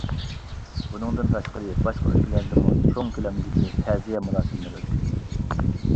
بۇنىڭدىن تاشقىرى، باشقا ئۆلكىلەردىمۇ چوڭ كۆلەمدىكى تەزىيە مۇراسىملىرى ئۆتكۈزۈلدى.